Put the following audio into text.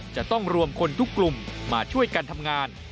จะต้องรวมคนทุกกลุ่มมาช่วยกันทำงาน